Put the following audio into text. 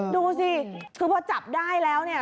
ดูสิคือพอจับได้แล้วเนี่ย